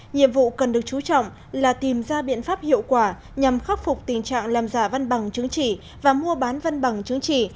nhiệm vụ cần được chú trọng là tìm ra biện pháp hiệu quả nhằm khắc phục tình trạng làm giả văn bằng chứng chỉ và mua bán văn bằng chứng chỉ